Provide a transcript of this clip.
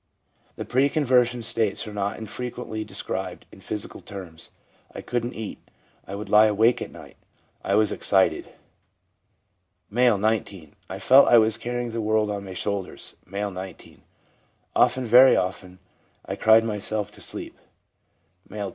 The pre conversion states are not infrequently de scribed in physical terms :—' I couldn't eat' ' I would lie awake at night/ ' I was excited/ M., 19. c I felt I was carrying the world on my shoulders/ M., 19. 'Often, very often, I cried myself to sleep/ M., 10.